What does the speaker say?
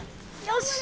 よし！